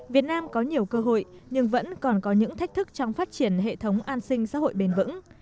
việt nam có nhiều cơ hội nhưng vẫn còn có những thách thức trong phát triển hệ thống an sinh xã hội bền vững